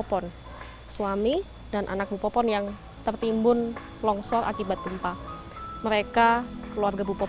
ibu popo suami dan anakmu popo yang tertimbun longsor akibat tumpah mereka keluarga ibu popo